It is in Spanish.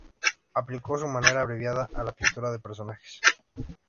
Aplicó su "manera abreviada" a la pintura de personajes.